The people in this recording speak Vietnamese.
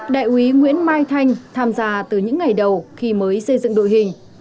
đại úy nguyễn mai thanh tham gia từ những ngày đầu khi mới xây dựng đội hình